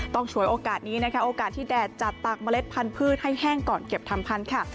ฉวยโอกาสนี้นะคะโอกาสที่แดดจัดตากเมล็ดพันธุ์ให้แห้งก่อนเก็บทำพันธุ์ค่ะ